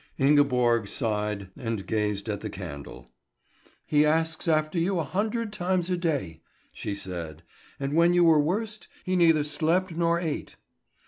Ingeborg sighed and gazed at the candle. "He asks after you a hundred times a day," she said; "and when you were worst, he neither slept nor ate."